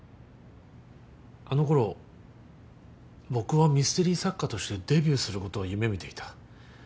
あのころ僕はミステリー作家としてデビューすることを夢見ていた。